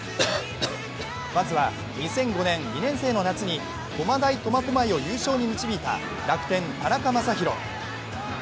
まずは２００５年、２年生の夏に駒大苫小牧を優勝に導いた楽天・田中将大。